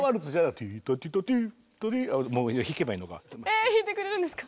え弾いてくれるんですか。